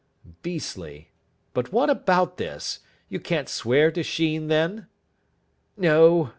"Beastly. But what about this? You can't swear to Sheen then?" "No.